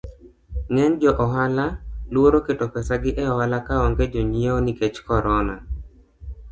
Ng'eny jo ohala luoro keto pesagi eohala ka onge jonyiewo nikech corona.